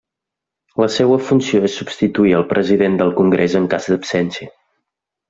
La seua funció és substituir al president del congrés en cas d'absència.